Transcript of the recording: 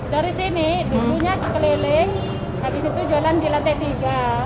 dari sini dulunya keliling habis itu jualan di lantai tiga